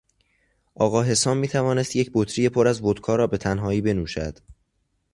آقا حسام میتوانست یک بطری پر از ودکا را به تنهایی بنوشد.